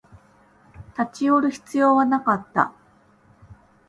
立ち寄る必要はなかった